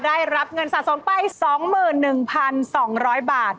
ได้รับเงินสะสมไป๒๑๒๐๐บาท